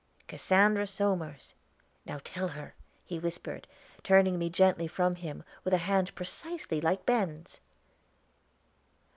"'Cassandra Somers! now tell her,' he whispered, turning me gently from him, with a hand precisely like Ben's."